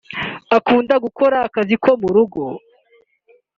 Akunda gukora akazi ko mu rugo